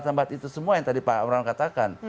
karena tempat tempat itu semua yang tadi pak amran katakan